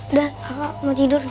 udah kakak mau tidur